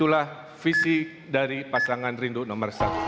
pendidikan pariwisata nilai hidup budaya kepemimpinan